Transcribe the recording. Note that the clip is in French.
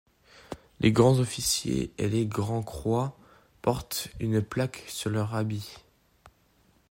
Les grands-officiers et les grands-croix portent une plaque sur leur habit.